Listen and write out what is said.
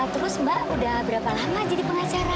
terus mbak udah berapa lama jadi pengacara